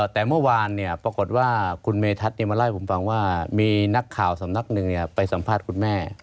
แต่เมื่อวานปรากฏว่าคุณเมธัศนมาเล่าให้ผมฟังว่ามีนักข่าวสำนักหนึ่งไปสัมภาษณ์คุณแม่